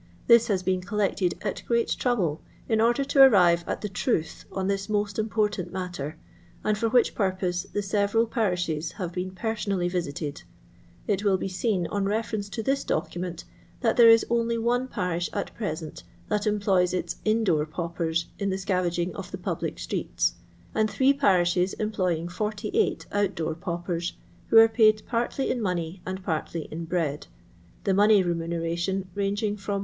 This has been collected at great trouble in order to arrive at the truth on this most important matter, and for which purpose the several parishes have been personally visited. It will be seen on reference to this document, that there is only one parish at present that employs its in door paupers in the scavaging of the public streets; and 3 parishes employing 48 out door paupers, who are paid partly in money and partly in bread ; the money remuneration ranging from 1#.